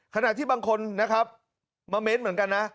ขณะที่บางคนนะครับมาเม้นเหมือนกันนะ